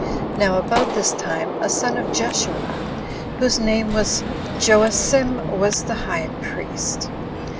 Now about this time a son of Jeshua, whose name was Joacim, was the high priest.